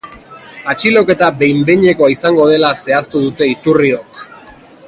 Atxiloketa behin-behinekoa izango dela zehaztu dute iturriok.